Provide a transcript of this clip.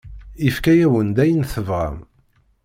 Yefka-awen-d ayen tebɣam.